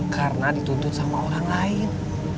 karena dituntut sama orang lain